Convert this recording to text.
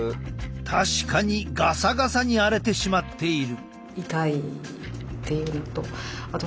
確かにガサガサに荒れてしまっている。